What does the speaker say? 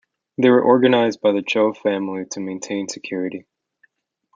They were organized by the Choe family to maintain security.